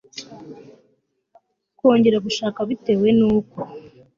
kongera gushaka bitewe n'uko